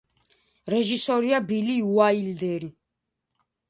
რეჟისორია ბილი უაილდერი.